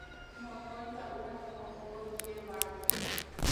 Mokõi ka'urapo oike bar-pe.